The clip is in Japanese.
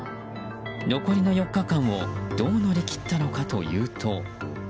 残りの４日間をどう乗り切ったのかというと。